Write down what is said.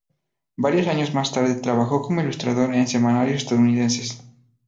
Varios años más tarde trabajó como ilustrador en semanarios estadounidenses.